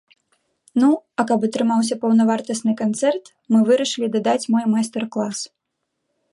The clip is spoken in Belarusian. Ну, а каб атрымаўся паўнавартасны канцэрт, мы вырашылі дадаць мой майстар-клас.